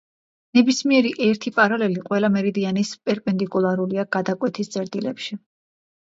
ნებისმიერი ერთი პარალელი ყველა მერიდიანის პერპენდიკულარულია გადაკვეთის წერტილებში.